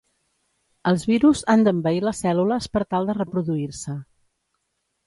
Els virus han d'envair les cèl·lules per tal de reproduir-se.